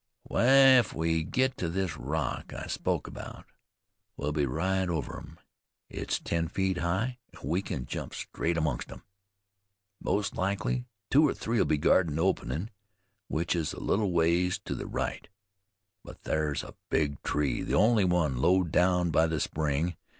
"Wai, if we get to this rock I spoke 'bout, we'll be right over 'em. It's ten feet high, an' we can jump straight amongst 'em. Most likely two or three'll be guardin' the openin' which is a little ways to the right. Ther's a big tree, the only one, low down by the spring.